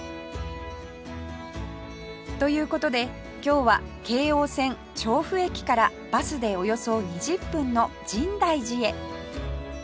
という事で今日は京王線調布駅からバスでおよそ２０分の深大寺へ